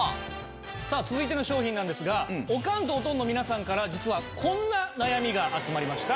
さあ続いての商品なんですがおかんとおとんの皆さんから実はこんな悩みが集まりました。